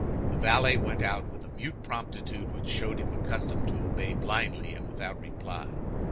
The valet went out with a mute promptitude which showed him accustomed to obey blindly and without reply.